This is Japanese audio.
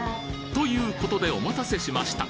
という事でお待たせしました。